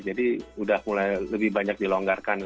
jadi udah mulai lebih banyak dilonggarkan